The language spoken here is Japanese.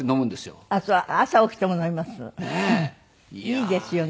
いいですよね。